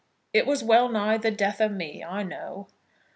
It was well nigh the death o' me, I know."